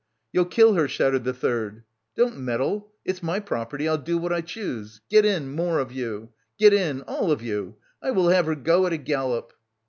"You'll kill her," shouted the third. "Don't meddle! It's my property, I'll do what I choose. Get in, more of you! Get in, all of you! I will have her go at a gallop!..."